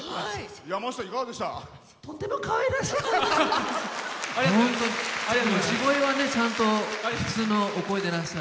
山内さん、いかがでした？